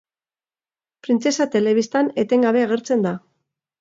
Printzesa telebistan etengabe agertzen da.